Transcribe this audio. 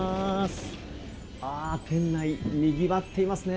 店内にぎわっていますね。